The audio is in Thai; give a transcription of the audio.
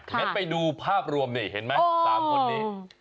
งั้นไปดูภาพรวมนี่เห็นไหม๓คนนี้